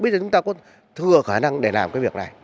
bây giờ chúng ta có thừa khả năng để làm cái việc này